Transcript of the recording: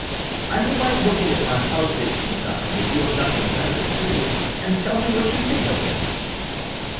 "And you might look in at my house at tea time, if you have nothing better to do, and tell me what you think of him."